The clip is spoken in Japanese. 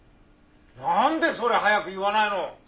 なんでそれ早く言わないの？